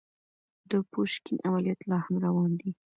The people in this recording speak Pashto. د پوشکين عمليات لا هم روان دي.